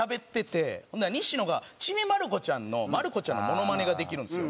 ほんなら西野が『ちびまる子ちゃん』のまる子ちゃんのモノマネができるんですよ。